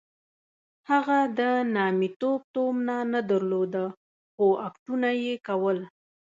هغه د نامیتوب تومنه نه درلوده خو اکټونه یې کول.